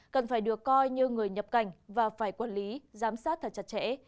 cần phải được coi như người nhập cảnh và phải quản lý giám sát thật chặt chẽ